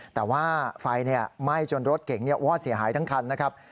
แต่ว่าไฟไหม้จนรถเก๋งวอดเสียหายทั้งคันนะครับ